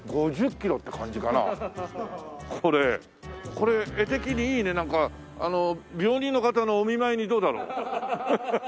これ画的にいいねなんか病人の方のお見舞いにどうだろう？